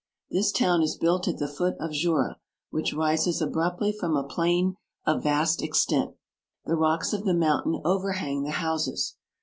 This town is built at the foot of Jura, which rises abruptly from a plain of vast extent. The rocks of the mountain overhang the houses.